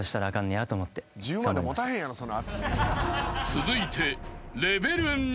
［続いて］